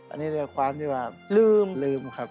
อันนี้เรียกว่าความที่ว่าลืมครับลืม